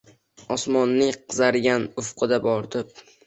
Osmonning qizargan ufqida bo’rtib